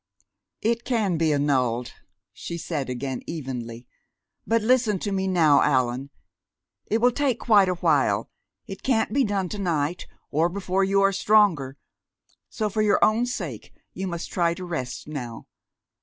"It can be annulled," she said again evenly. "But listen to me now, Allan. It will take quite a while. It can't be done to night, or before you are stronger. So for your own sake you must try to rest now.